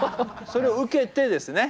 それを受けてですね。